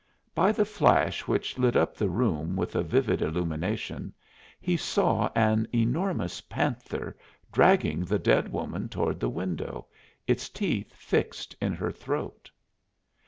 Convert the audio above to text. By the flash which lit up the room with a vivid illumination, he saw an enormous panther dragging the dead woman toward the window, its teeth fixed in her throat!